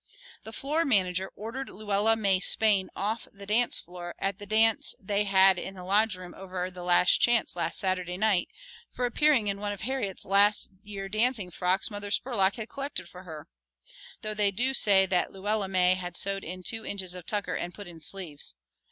"The floor manager ordered Luella May Spain off the floor at the dance they had in the lodge room over the Last Chance last Saturday night for appearing in one of Harriet's last year dancing frocks Mother Spurlock had collected for her, though they do say that Luella May had sewed in two inches of tucker and put in sleeves.